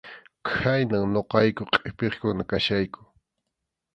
Khaynam ñuqayku qʼipiqkuna kachkayku.